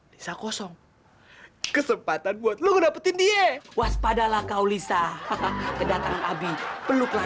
lisa kosong kesempatan buat lo dapetin dia waspadalah kau lisa hahaha kedatangan abi peluklah